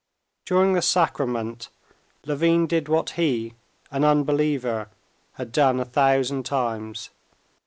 During the sacrament Levin did what he, an unbeliever, had done a thousand times.